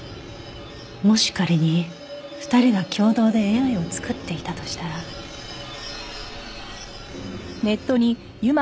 もし仮に２人が共同で ＡＩ を作っていたとしたらえっ。